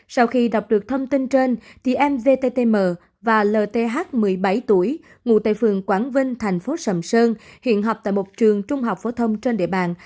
sau khi đọc được thông tin trên thì em vttm và lth một mươi bảy tuổi ngủ tại phường quảng vinh tp sầm sơn hiện học tại một trường trung học phổ thông trên địa bàn